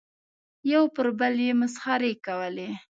یو پر بل یې مسخرې کولې.